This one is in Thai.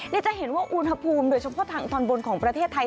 นี่จะเห็นว่าอุณหภูมิโดยเฉพาะทางตอนบนของประเทศไทย